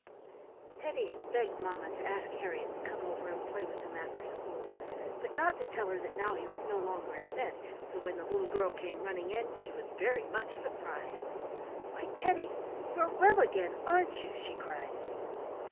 Teddy had begged mamma to ask Harriett to come over and play with him after school, but not to tell her that now he was no longer in bed, so when the little girl came running in she was very much surprised. "Why, Teddy, you're well again, aren't you?" she cried.